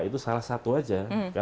itu salah satu aja